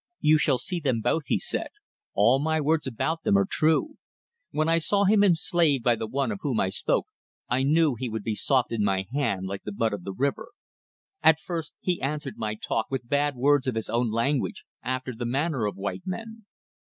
"You shall see them both," he said. "All my words about them are true. When I saw him enslaved by the one of whom I spoke, I knew he would be soft in my hand like the mud of the river. At first he answered my talk with bad words of his own language, after the manner of white men.